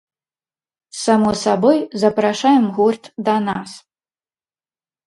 Само сабой, запрашаем гурт да нас.